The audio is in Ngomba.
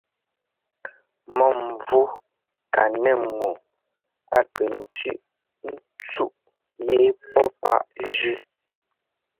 Mɔ́mvú ka nɛ́m ŋu a kɛ tsʉ́ꞌ ńtsúꞌ yɛ́ pɔ́ páꞌ jʉ́.